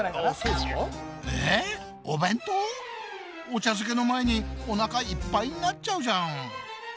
お茶漬けの前におなかいっぱいになっちゃうじゃん。